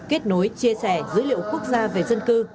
kết nối chia sẻ dữ liệu quốc gia về dân cư